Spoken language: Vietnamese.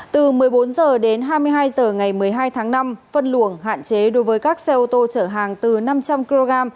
từ một mươi bốn h đến hai mươi hai h ngày một mươi hai tháng năm phân luồng hạn chế đối với các xe ô tô chở hàng từ năm trăm linh kg